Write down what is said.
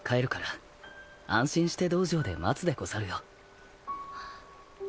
安心して道場で待つでござるよ。